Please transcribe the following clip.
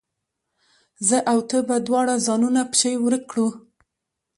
زه او ته به دواړه ځانونه پکښې ورک کړو